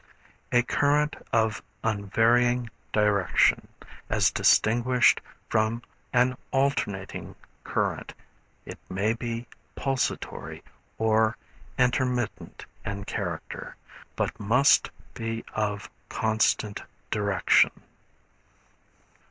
A current of unvarying direction, as distinguished from an alternating current. It may be pulsatory or intermittent in character, but must be of constant direction.